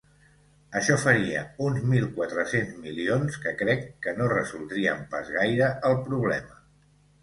Això faria uns mil quatre-cents milions que crec que no resoldrien pas gaire el problema.